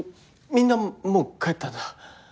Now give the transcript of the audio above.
みんなもう帰ったんだ